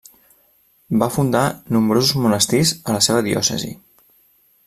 Va fundar nombrosos monestirs a la seva diòcesi.